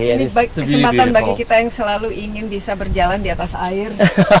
ini kesempatan bagi kita yang selalu ingin bisa berjalan di atas air